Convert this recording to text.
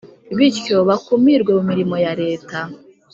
bityo bakumirwe mu mirimo ya leta.